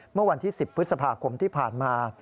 เมื่อวันที่๑๐พฤษภาคมที่ผ่านมา